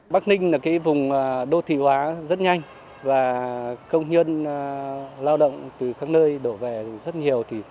bắc ninh là vùng đô thị hóa rất nhanh và công nhân lao động từ các nơi đổ về rất nhiều